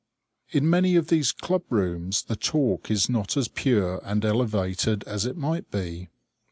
In many of these club rooms the talk is not as pure and elevated as it might be.